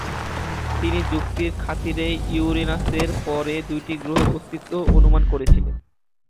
তিনি যুক্তির খাতিরে ইউরেনাসের পরে দু’টি গ্রহের অস্তিত্ব অনুমান করেছিলেন।